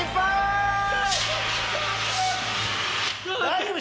大丈夫？